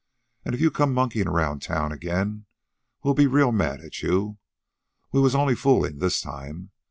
An' if you come monkeyin' around town again, we'll be real mad at you. We was only foolin' this time.